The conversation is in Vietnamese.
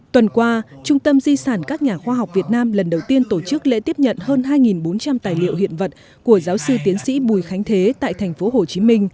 tuần qua trung tâm di sản các nhà khoa học việt nam lần đầu tiên tổ chức lễ tiếp nhận hơn hai bốn trăm linh tài liệu hiện vật của giáo sư tiến sĩ bùi khánh thế tại tp hcm